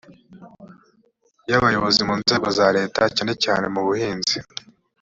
y abayobozi mu nzego za leta cyane cyane mubuhinzi